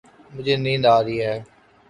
مجھے نیند آ رہی ہے